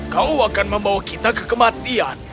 kau akan membawa kita ke kematian